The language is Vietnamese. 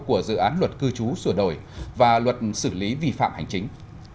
của dự án luật cư trú sửa đổi và luật xử lý vi phạm hành chính